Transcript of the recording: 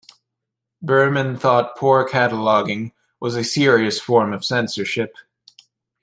Berman thought poor cataloging was a serious form of censorship.